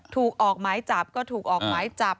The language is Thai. ถูกออกไม้จับก็ถูกออกไม้จับ